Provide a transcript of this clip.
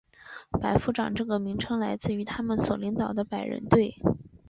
百夫长这个名称来自于他们所领导百人队。